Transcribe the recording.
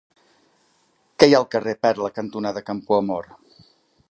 Què hi ha al carrer Perla cantonada Campoamor?